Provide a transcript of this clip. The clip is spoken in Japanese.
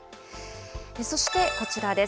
そして、こちらです。